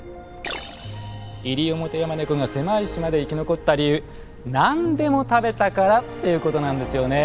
イリオモテヤマネコが狭い島で生き残った理由「なんでも食べたから」っていうことなんですよね。